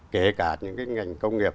kể cả những cái ngành công nghiệp